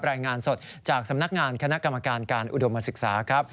รายงานสดจากสำนักงานคณะกรรมการการอุดมศึกษาครับ